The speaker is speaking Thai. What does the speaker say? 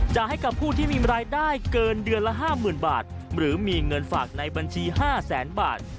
จะให้กับผู้ที่มีรายได้เกินเดือนละ๕๐๐๐บาทหรือมีเงินฝากในบัญชี๕แสนบาท